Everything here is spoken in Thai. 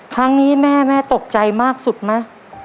ครั้งนี้แม่แม่ตกใจมากสุดไหม